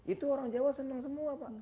itu orang jawa senang semua pak